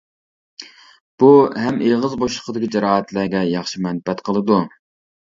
بۇ ھەم ئېغىز بوشلۇقىدىكى جاراھەتلەرگە ياخشى مەنپەئەت قىلىدۇ.